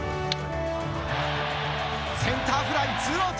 センターフライ、ツーアウト。